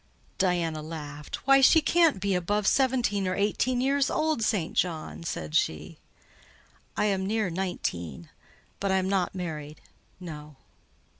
Diana laughed. "Why, she can't be above seventeen or eighteen years old, St. John," said she. "I am near nineteen: but I am not married. No."